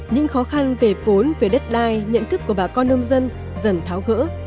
những khó khăn về vốn về đất đai nhận thức của bà con nông dân dần tháo gỡ